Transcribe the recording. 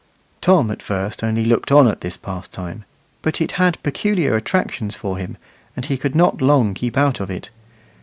Tom at first only looked on at this pastime, but it had peculiar attractions for him, and he could not long keep out of it.